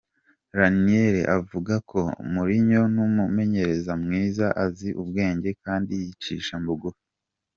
Ranieri avuga ko:”Mourinho n’umumenyereza mwiza, azi ubwenge, kandi yicisha bugufi.